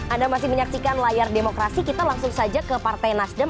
anda masih menyaksikan layar demokrasi kita langsung saja ke partai nasdem